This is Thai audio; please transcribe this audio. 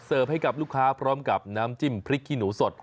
ให้กับลูกค้าพร้อมกับน้ำจิ้มพริกขี้หนูสด